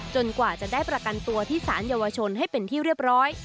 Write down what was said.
กว่าจะได้ประกันตัวที่สารเยาวชนให้เป็นที่เรียบร้อย